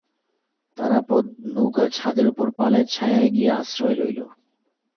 তারাপদ নৌকার ছাদের উপরে পালের ছায়ায় গিয়া আশ্রয় লইল।